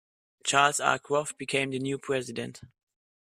Charles R. Croft became the new president.